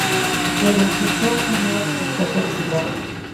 Kukalunkućhuumi ñuqa kukata ćhulaa.